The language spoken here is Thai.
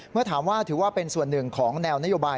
เมื่อถามว่าถือว่าเป็นส่วนหนึ่งของแนวนโยบาย